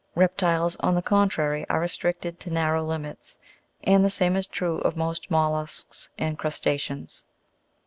Reptiles, on the contrary, are restricted to narrow limits, and the same is true of most mollusks and crusta'ceans.